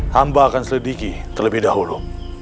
hamba akan selidiki terlebih dahulu